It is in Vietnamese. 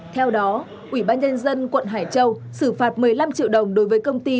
theo đó ủy ban nhân dân quận hải châu xử phạt một mươi năm triệu đồng đối với công ty